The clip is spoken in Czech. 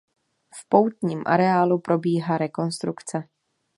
V poutním areálu probíhá rekonstrukce.